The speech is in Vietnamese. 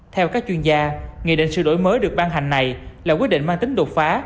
theo các chuyên gia nghị định sự đổi mới được ban hành này là quyết định mang tính đột phá